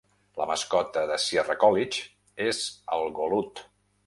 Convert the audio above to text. La mascota de Sierra College és el golut.